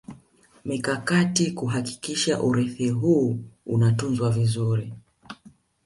Mikakati kuhakikisha urithi huu unatunzwa vizuri